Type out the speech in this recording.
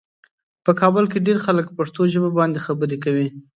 په کابل کې ډېر خلک پښتو ژبه باندې خبرې کوي.